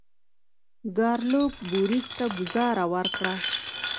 ګارلوک بوریس ته ګوزاره ورکړه.